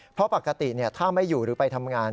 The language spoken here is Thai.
เพราะปกติถ้าไม่อยู่หรือไปทำงาน